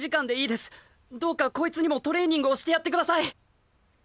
どうかこいつにもトレーニングをしてやってください！